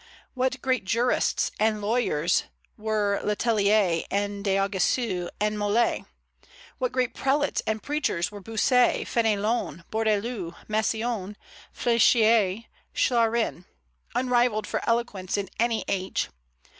What great jurists and lawyers were Le Tellier and D'Aguesseau and Molé! What great prelates and preachers were Bossuet, Fénelon, Bourdaloue, Massillon, Fléchier, Saurin, unrivalled for eloquence in any age!